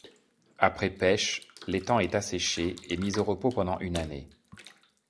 Après pêche, l'étang est asséché et mis au repos pendant une année.